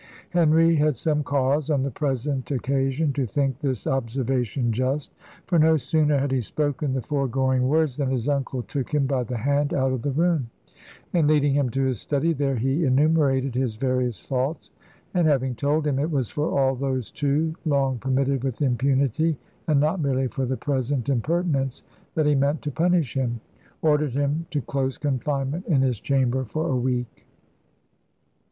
Henry had some cause, on the present occasion, to think this observation just; for no sooner had he spoken the foregoing words, than his uncle took him by the hand out of the room, and, leading him to his study, there he enumerated his various faults; and having told him "it was for all those, too long permitted with impunity, and not merely for the present impertinence, that he meant to punish him," ordered him to close confinement in his chamber for a week.